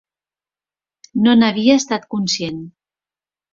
No n'havia estat conscient.